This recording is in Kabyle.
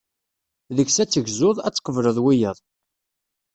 Deg-s ad tegzuḍ, ad tqebleḍ wiyaḍ.